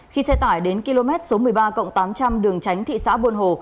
khi xe tải đến km số một mươi ba cộng tám trăm linh đường tránh thị xã buôn hồ